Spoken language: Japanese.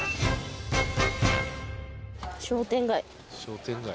商店街。